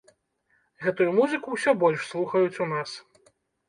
Гэтую музыку ўсё больш слухаюць у нас.